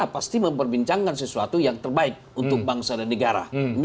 karena pasti memperbincangkan sesuatu yang terbaik untuk bangsa dan negara